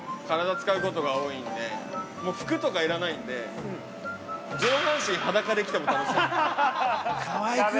体使うことが多いんで、もう服とか要らないんで、上半身裸かで来ても楽しい。